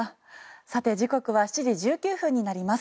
さて時刻は７時１９分になります。